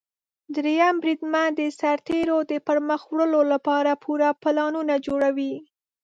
دریم بریدمن د سرتیرو د پرمخ وړلو لپاره پوره پلانونه جوړوي.